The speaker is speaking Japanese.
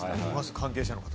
関係者の方が。